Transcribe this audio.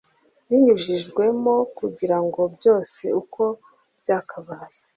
Binyujijwemo kugira ngo byose uko byakabaye